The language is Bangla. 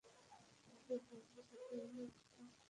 তাঁরা উভয়ে কতোই না উত্তম প্রতিবেশী ছিলেন!